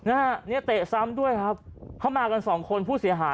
มันได้ไปซ้ำด้วยหรอเนี่ยแตะซ้ำด้วยครับเข้ามากันสองคนพูดเสียหา